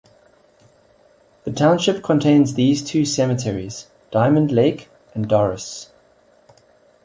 The township contains these two cemeteries: Diamond Lake and Dorris.